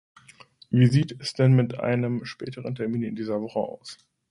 Wie sieht es denn mit einem späteren Termin in dieser Woche aus?